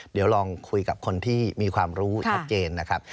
เดี๋ยวลองคุยกับคนที่มีความรู้ชัดเจนนะครับ